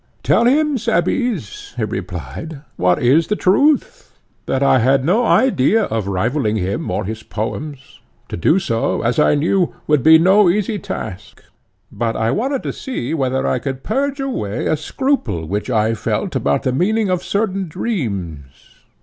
Tell him, Cebes, he replied, what is the truth—that I had no idea of rivalling him or his poems; to do so, as I knew, would be no easy task. But I wanted to see whether I could purge away a scruple which I felt about the meaning of certain dreams.